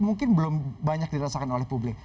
mungkin belum banyak dirasakan oleh publik